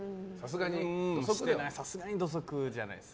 さすがに土足じゃないです。